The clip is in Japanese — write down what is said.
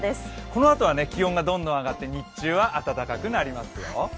このあとは気温がどんどんあがって、日中は暖かくなりますよ